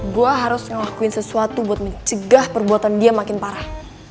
gue harus ngelakuin sesuatu buat mencegah perbuatan dia makin parah